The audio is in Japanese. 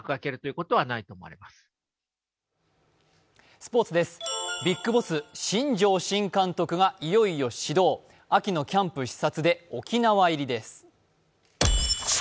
スポーツで、ビックボス・新庄新監督がいよいよ始動、秋のキャンプ視察で沖縄入りです。